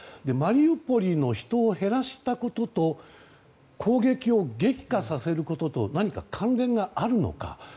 マリウポリの人を減らしたことと攻撃を激化させることと何か関連があるのか。